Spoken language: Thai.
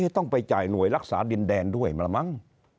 ต้องไปจ่ายหน่วยรักษาดินแดนด้วยมาละมั้ง